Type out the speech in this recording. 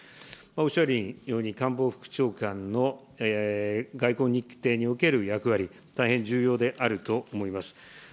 おっしゃるように、官房副長官の外交日程における役割、大変重要であると思います。